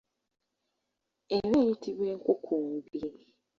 Eba eyitibwa enkukumbi.